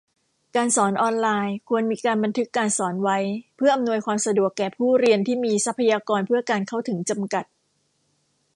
การสอนออนไลน์ ควรมีการบันทึกการสอนไว้ เพื่ออำนวยความสะดวกแก่ผู้เรียนที่มีทรัพยากรเพื่อการเข้าถึงจำกัด